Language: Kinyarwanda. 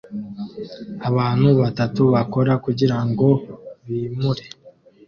Abantu batatu bakora kugirango bimure